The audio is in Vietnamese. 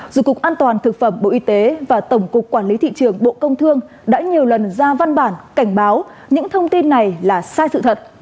dù cục an toàn thực phẩm bộ y tế và tổng cục quản lý thị trường bộ công thương đã nhiều lần ra văn bản cảnh báo những thông tin này là sai sự thật